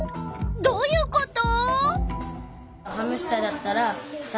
どういうこと？